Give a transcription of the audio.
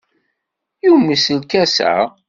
Yumes lkas-a?